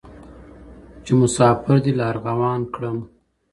چي مساپر دي له ارغوان کړم